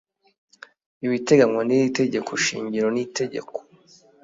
ibiteganywa n iri tegeko shingiro n itegeko